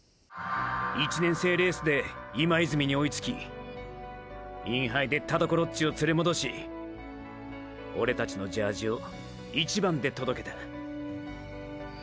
１年生レースで今泉に追いつきインハイで田所っちを連れ戻しオレたちのジャージを一番で届けた。